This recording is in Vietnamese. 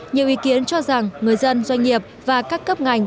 nhiều ý kiến cho rằng người dân doanh nghiệp và các cấp ngành